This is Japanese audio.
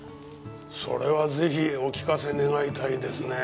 それはぜひお聞かせ願いたいですねぇ。